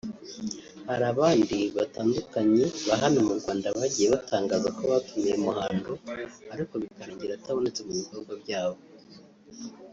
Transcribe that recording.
Hari abandi batandukanye ba hano mu Rwanda bagiye batangaza ko batumiye Muhando ariko bikarangira atabonetse mu bikorwa byabo